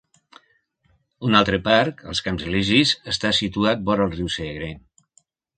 Un altre parc, els Camps Elisis, està situat vora el riu Segre.